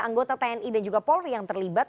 anggota tni dan juga polri yang terlibat